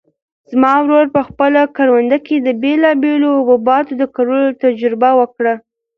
زما ورور په خپله کرونده کې د بېلابېلو حبوباتو د کرلو تجربه وکړه.